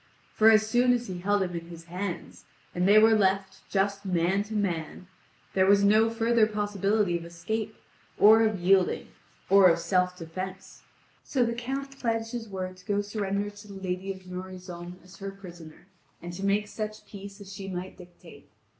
For as soon as he held him in his hands, and they were left just man to man, there was no further possibility of escape, or of yielding, or of self defence; so the Count pledged his word to go to surrender to the lady of Noroison as her prisoner, and to make such peace as she might dictate.